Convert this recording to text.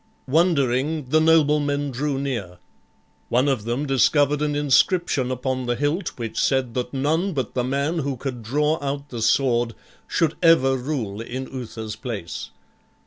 Wondering, the noblemen drew near. One of them discovered an inscription upon the hilt which said that none but the man who could draw out the sword should ever rule in Uther's place.